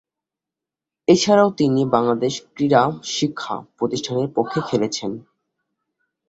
এছাড়াও তিনি বাংলাদেশ ক্রীড়া শিক্ষা প্রতিষ্ঠানের পক্ষে খেলেছেন।